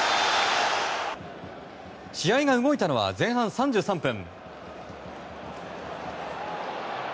試合が動いたのは前半３３分。